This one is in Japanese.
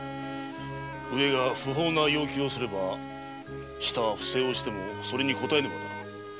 上が不法な要求をすれば下は不正をしてもそれに応えねばならぬ。